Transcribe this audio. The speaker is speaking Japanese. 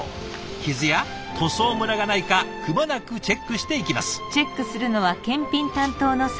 傷や塗装ムラがないかくまなくチェックしていきます。